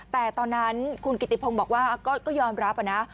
แต่ตอนนั้นคุณกิติพงศ์บอกว่าก็ยอมรับนะ